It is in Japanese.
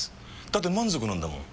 だって満足なんだもん。